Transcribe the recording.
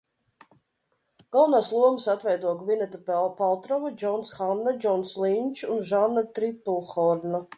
Galvenās lomas atveido Gvineta Paltrova, Džons Hanna, Džons Linčs un Žanna Triplhorna.